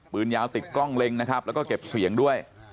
ปืนยาวติดกล้องเล็งนะครับแล้วก็เก็บเสียงด้วย